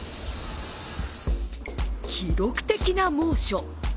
記録的な猛暑。